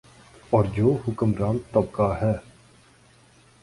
اورجو حکمران طبقہ ہے۔